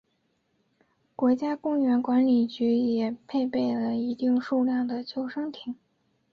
国家公园管理局也配备了一定数量的救生艇。